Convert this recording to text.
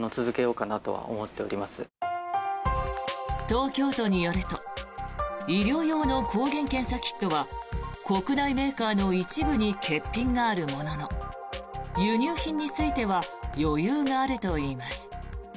東京都によると医療用の抗原検査キットは国内メーカーの一部に欠品があるものの輸入品については余裕があるといいます。